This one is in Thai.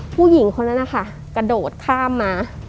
ผู้หญิงคนนั้นนะคะกระโดดข้ามมา